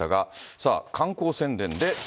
さあ、観光宣伝で。